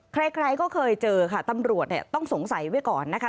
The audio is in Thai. ใครก็เคยเจอค่ะตำรวจเนี่ยต้องสงสัยไว้ก่อนนะคะ